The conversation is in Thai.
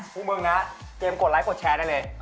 พวกมึงนะเกมกดไลค์กดแชร์ได้เลย